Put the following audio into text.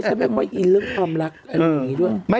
ไม่ใช่แม่ไม่กินเรื่องความรักอะไรอย่างนี้ด้วย